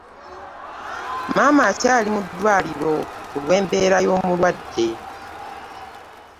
Maama akyali mu ddwaliro ku lw'embeera y'omulwadde.